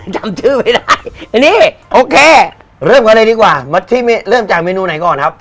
จำชื่อไม่ได้อันนี้โอเคเริ่มกันเลยดีกว่ามาที่เริ่มจากเมนูไหนก่อนครับ